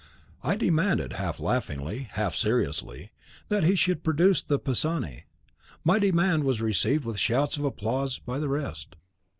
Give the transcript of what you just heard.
I demanded, half laughingly, half seriously, that he should produce the Pisani. My demand was received with shouts of applause by the rest.